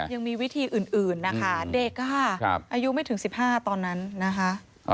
ยังมีวิธีอื่นนะคะเด็กค่ะอายุไม่ถึง๑๕ตอนนั้นนะคะ